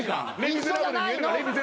一緒じゃないの。